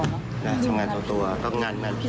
ก็ต้องงานตัวต้องงานนั้นที